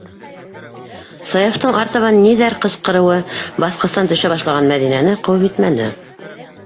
- Саяфтың артабан ниҙәр ҡысҡырыуы баҫҡыстан төшә башлаған Мәҙинәне ҡыуып етмәне.